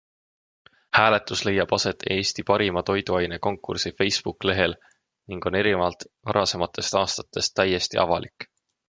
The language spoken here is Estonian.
Hääletus leiab aset Eesti Parima Toiduaine konkursi Facebook-lehel ning on erinevalt varasematest aastatest täiesti avalik.